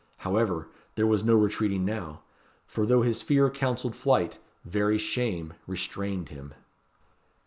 However, there was no retreating now; for though his fear counselled flight, very shame restrained him.